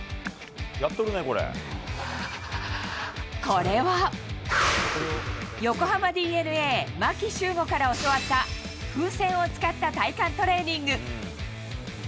これは、横浜ＤｅＮＡ、牧秀悟から教わった、風船を使った体幹トレーニング。